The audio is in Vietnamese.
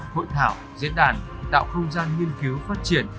hội thảo diễn đàn tạo không gian nghiên cứu phát triển